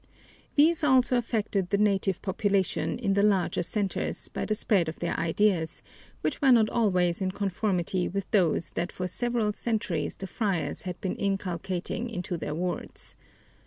These also affected the native population in the larger centers by the spread of their ideas, which were not always in conformity with those that for several centuries the friars had been inculcating into their wards.